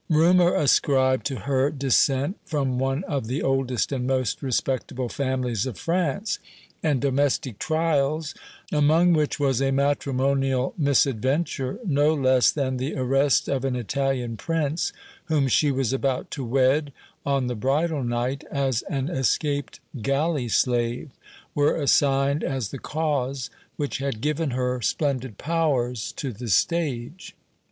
Rumor ascribed to her descent from one of the oldest and most respectable families of France; and domestic trials, among which was a matrimonial misadventure, no less than the arrest of an Italian Prince whom she was about to wed, on the bridal night, as an escaped galley slave, were assigned as the cause which had given her splendid powers to the stage.